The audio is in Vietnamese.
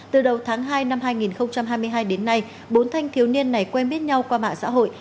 từ đầu tháng hai năm hai nghìn hai mươi hai đến nay bốn thanh thiếu niên này quen biết nhau qua mạng xã hội